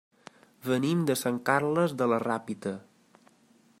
Venim de Sant Carles de la Ràpita.